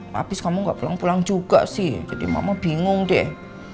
habis kamu gak pulang pulang juga sih jadi mama bingung deh